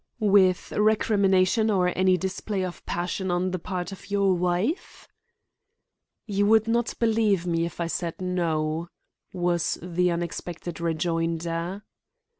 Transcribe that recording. "With recrimination or any display of passion on the part of your wife?" "You would not believe me if I said no," was the unexpected rejoinder.